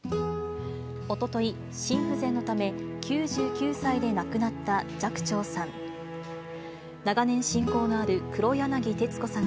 おととい、心不全のため、９９歳で亡くなった寂聴さん。